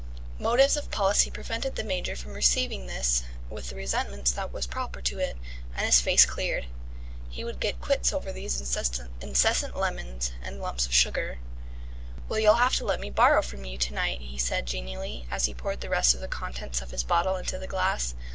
Motives of policy prevented the Major from receiving this with the resentment that was proper to it, and his face cleared. He would get quits over these incessant lemons and lumps of sugar. "Well, you'll have to let me borrow from you to night," he said genially, as he poured the rest of the contents of his bottle into the glass.